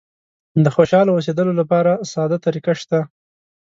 د خوشاله اوسېدلو لپاره ساده طریقه شته.